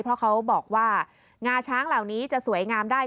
เพราะเขาบอกว่างาช้างเหล่านี้จะสวยงามได้